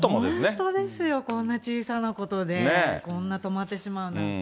本当ですよ、こんな小さなことで、こんな止まってしまうなんて。